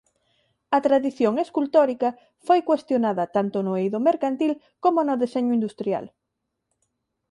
A tradición escultórica foi cuestionada tanto no eido mercantil como no deseño industrial.